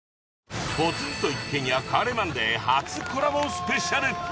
『ポツンと一軒家』『帰れマンデー』初コラボスペシャル！